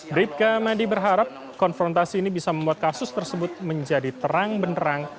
bribka madi berharap konfrontasi ini bisa membuat kasus tersebut menjadi terang benerang